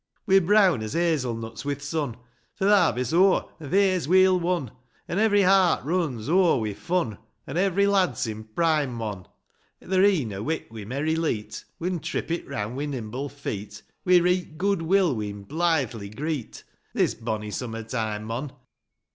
IV. We're brown as hazel nuts wi' th' sun. For th' harvest's o'er, an' th' hay's weel won ; An' every heart runs o'er wi' fun, An' every lad's i' prime, mon ! Their e'en are wick wi' merry leet ; We'n trip it round wi' nimble feet ; With reet good will we'n blithely greet This bonny summer time, mon!